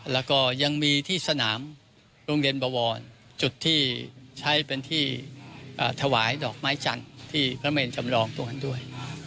แล้วก็ยังมีที่สนามโรงเรียนบวรจุดที่ใช้เป็นที่ถวายดอกไม้จันทร์ที่พระเมนจำลองตรงนั้นด้วย